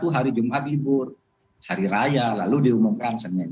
hari jumat libur hari raya lalu diumumkan senin